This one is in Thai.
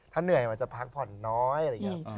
ถ้าเหนื่อยมันจะพักผ่อนน้อยอะไรอย่างนี้